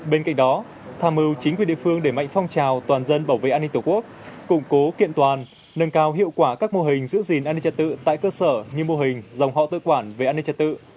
bên cạnh đó tham mưu chính quyền địa phương để mạnh phong trào toàn dân bảo vệ an ninh tổ quốc củng cố kiện toàn nâng cao hiệu quả các mô hình giữ gìn an ninh trật tự tại cơ sở như mô hình dòng họ tự quản về an ninh trật tự